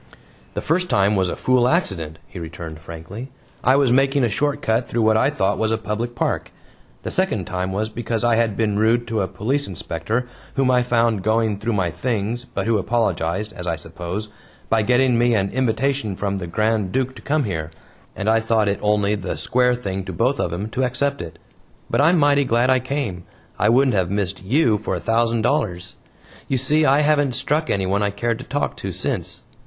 "The first time was a fool accident," he returned frankly. "I was making a short cut through what I thought was a public park. The second time was because I had been rude to a Police Inspector whom I found going through my things, but who apologized as I suppose by getting me an invitation from the Grand Duke to come here, and I thought it only the square thing to both of 'em to accept it. But I'm mighty glad I came; I wouldn't have missed YOU for a thousand dollars. You see I haven't struck anyone I cared to talk to since."